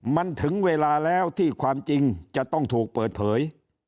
มันถึงเวลาแล้วที่ความจริงจะต้องถูกเปิดเผย